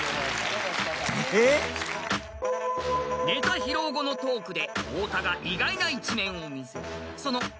［ネタ披露後のトークで太田が意外な一面を見せる］